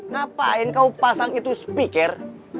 ngapain kau pasang itu speaker